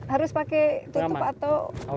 harus pakai tutup atau